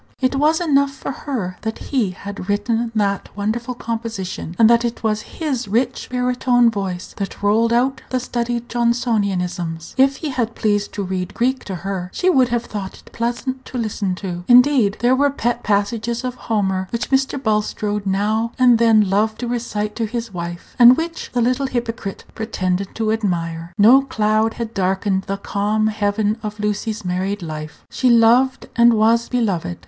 It was enough for her that he had written that wonderful composition, and that it was his rich baritone voice that rolled out the studied Johnsonianisms. If he had pleased to read Greek to her, she would have thought it pleasant to listen. Indeed, there were pet passages of Homer which Mr. Bulstrode now and then loved to recite to his wife, and which the little hypocrite pretended to admire. No cloud had darkened the calm heaven of Lucy's married life. She loved and was beloved.